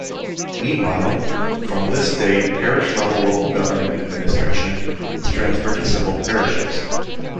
Meanwhile, from this date parish-level local government administration was transferred to civil parishes.